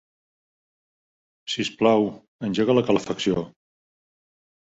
Sisplau, engega la calefacció.